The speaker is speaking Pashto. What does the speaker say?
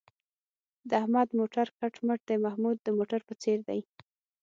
د احمد موټر کټ مټ د محمود د موټر په څېر دی.